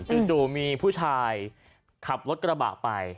จู่มีผู้ชายขับรถกระบะไป